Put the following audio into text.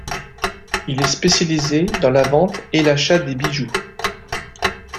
Il est spécialisé dans la vente et l'achat des bijoux.